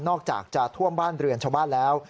อกจากจะท่วมบ้านเรือนชาวบ้านแล้ว